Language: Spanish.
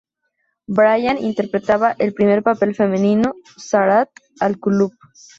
Brayton interpretaba el primer papel femenino, Zahrat-al-Kulub.